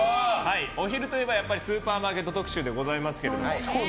お昼といえば、やっぱりスーパーマーケット特集でございますけれども。